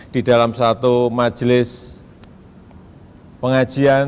di dalam satu majelis pengajian